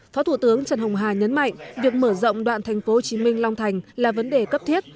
phó thủ tướng trần hồng hà nhấn mạnh việc mở rộng đoạn tp hcm long thành là vấn đề cấp thiết